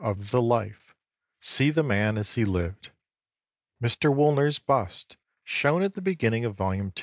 of the Life see the man as he lived. Mr. Woolner's bust, shown at the beginning of Volume II.